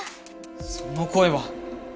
その声は！